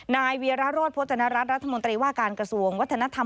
นายเวียระโรธพจนรัฐรัฐรัฐมนตรีว่าการกระทรวงวัฒนธรรม